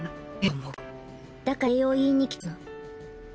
だから礼を言いに来たの。